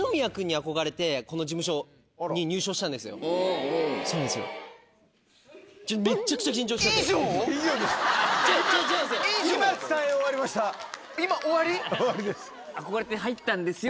「憧れて入ったんですよ」。